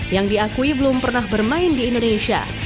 yang diakui belum pernah bermain di indonesia